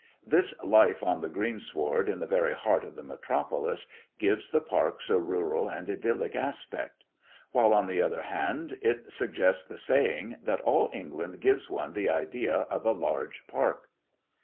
This life on the green sward in the very heart of the metropolis gives the parks a rural and idyllic aspect; while, on the other hand, it suggested the saying, that all England gives one the idea of a large park.